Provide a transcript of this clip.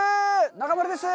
中丸です。